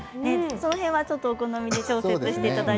その辺はお好みで調節してください。